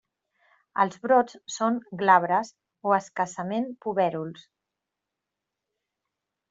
Els brots són glabres o escassament, pubèruls.